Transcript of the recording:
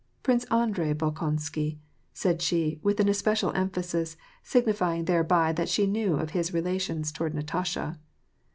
Prince Andrei Bolkonsky," said she, with especial em phasis, signifying thereby that she knew of his relations toward Natasha.